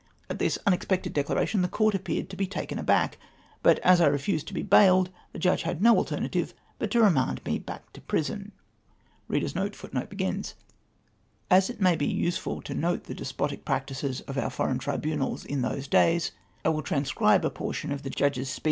At tliis unex pected declaration the Coml appeared to be taken aback, but as I refused to be bailed, the Judge Jiad no alternative but to remand me back to prison.* * As it may be useful to note tlie despotic ])mcticcs of our foreiau tribunals in those days, I Avill tninscvibe a portion of the Judge's VOL.